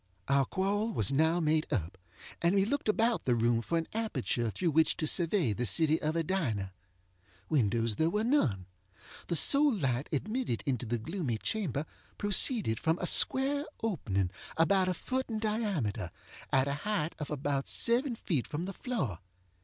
Our quarrel was now made up, and we looked about the room for an aperture through which to survey the city of Edina. Windows there were none. The sole light admitted into the gloomy chamber proceeded from a square opening, about a foot in diameter, at a height of about seven feet from the floor.